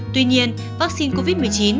tuy nhiên vaccine covid một mươi chín